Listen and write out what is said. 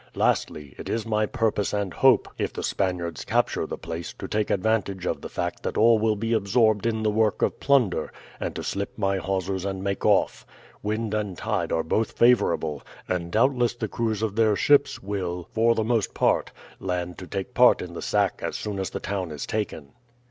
Lastly, it is my purpose and hope if the Spaniards capture the place, to take advantage of the fact that all will be absorbed in the work of plunder, and to slip my hawsers and make off. Wind and tide are both favourable, and doubtless the crews of their ships will, for the most part, land to take part in the sack as soon as the town is taken."